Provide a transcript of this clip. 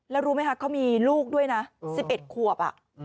แล้วรู้ไหมคะเขามีลูกด้วยนะ๑๑ขวบ